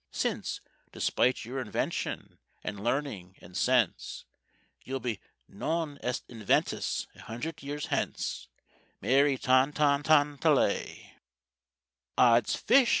Since, despite your invention, and learning, and sense, You'll be non est inventus a hundred years hence, Merry ton ton ton ta lay!" "Odds fish!"